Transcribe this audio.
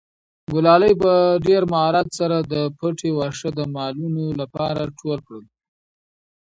ګلالۍ په ډېر مهارت سره د پټي واښه د مالونو لپاره ټول کړل.